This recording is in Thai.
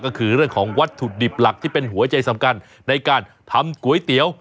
ก็คือเรื่องของวัตถุดิบหลักที่เป็นหัวใจสำคัญในการทำก๋วยเตี๋ยว